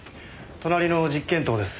隣の実験棟です。